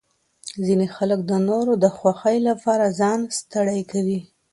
ځینې خلک د نورو د خوښۍ لپاره ځان ستړی کوي.